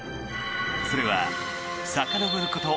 それはさかのぼること